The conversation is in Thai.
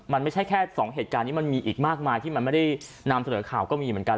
มันไม่ใช่แค่สองเหตุการณ์นี้มันมีอีกมากมายที่มันไม่ได้นำเสนอข่าวก็มีเหมือนกัน